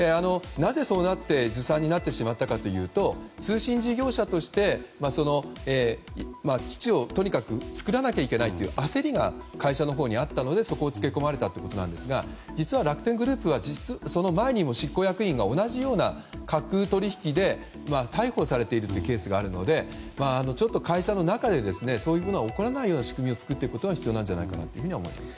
なぜ、ずさんになってしまったかというと通信事業者として基地をとにかく作らなきゃいけないという焦りが会社のほうにあったのでそこを付け込まれたということなんですが実は楽天グループはその前にも執行役員が同じような架空取引で逮捕されているというケースがあるので会社の中で、そういうものが起こらないような仕組みを作っていくことが必要じゃないかと思っています。